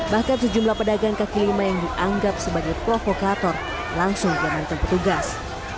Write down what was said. bahkan sejumlah pedagang kaki lima yang dianggap sebagai provokator langsung diamankan petugas